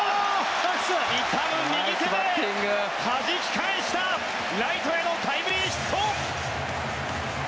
痛む右手ではじき返したライトへのタイムリーヒット！